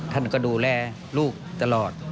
ท่านก็ดูแลลูกตลอด